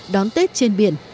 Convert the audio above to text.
đón tết trên biển